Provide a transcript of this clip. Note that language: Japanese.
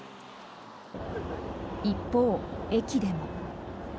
一方、駅でも。